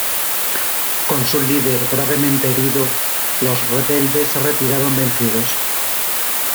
Con su líder gravemente herido, los rebeldes se retiraron vencidos.